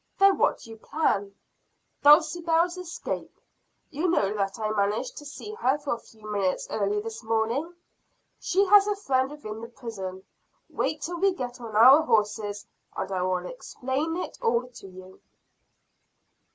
"Then what do you plan?" "Dulcibel's escape. You know that I managed to see her for a few minutes early this morning. She has a friend within the prison. Wait till we get on our horses, and I will explain it all to you."